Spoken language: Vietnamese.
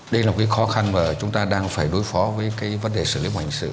đây là một cái khó khăn mà chúng ta đang phải đối phó với cái vấn đề xử lý của hành sự